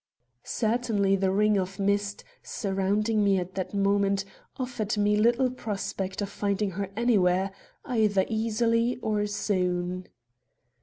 Certainly the ring of mist, surrounding me at that moment, offered me little prospect of finding her anywhere, either easily or soon.